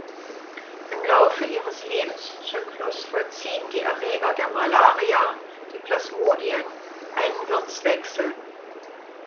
Im Laufe ihres Lebenszyklus vollziehen die Erreger der Malaria, die Plasmodien, einen Wirtswechsel.